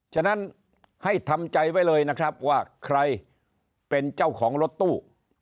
ฉะนั้นให้ทำใจไว้เลยนะครับว่าใครเป็นเจ้าของรถตู้